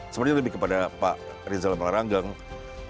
sebenarnya lebih kepada pak rizal malarangga bye bye